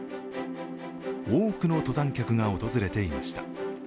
多くの登山客が訪れていました。